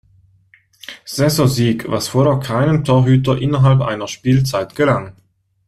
Saisonsieg, was vorher keinem Torhüter innerhalb einer Spielzeit gelang.